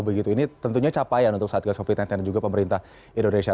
begitu ini tentunya capaian untuk satgas covid sembilan belas dan juga pemerintah indonesia